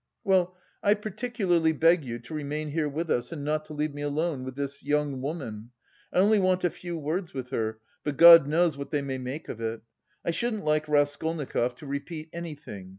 "Well, I particularly beg you to remain here with us and not to leave me alone with this... young woman. I only want a few words with her, but God knows what they may make of it. I shouldn't like Raskolnikov to repeat anything....